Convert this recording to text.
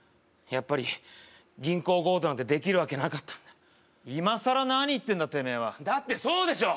やっぱり銀行強盗なんてできるわけなかったんだ今さら何言ってんだてめえはだってそうでしょ！